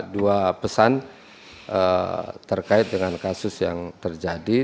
dua pesan terkait dengan kasus yang terjadi